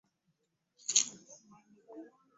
Okusoma kwensangi zino ku kalubye.